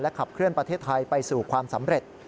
ขับเคลื่อนประเทศไทยไปสู่ความสำเร็จ